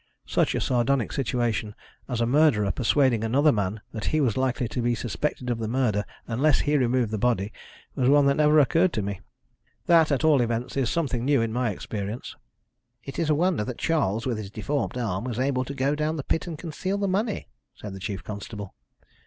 Such a sardonic situation as a murderer persuading another man that he was likely to be suspected of the murder unless he removed the body was one that never occurred to me. That, at all events, is something new in my experience." "It is a wonder that Charles, with his deformed arm, was able to go down the pit and conceal the money," said the chief constable.